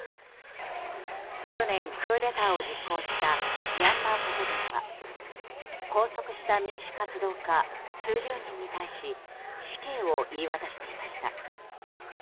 去年クーデターを実行したミャンマー国軍は拘束した民主活動家数十人に対し死刑を言い渡していました。